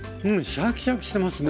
シャキシャキしてますね。